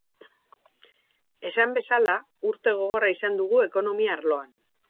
Esan bezala, urte gogorra izan dugu ekonomia arloan.